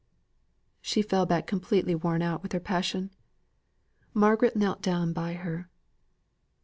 She fell back completely worn out with her passion. Margaret knelt down by her.